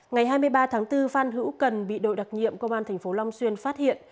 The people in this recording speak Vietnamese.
ngày hai mươi ba tháng bốn phan hữu cần bị đội đặc nhiệm công an tp long xuyên phát hiện